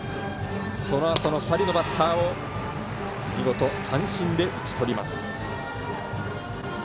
そのあとの２人のバッターを見事、三振で打ち取ります。